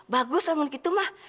bagus memang gitu mah